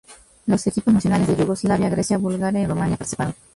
Los equipos nacionales de Yugoslavia, Grecia, Bulgaria y Rumania participaron.